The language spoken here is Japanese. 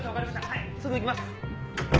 はいすぐ行きます。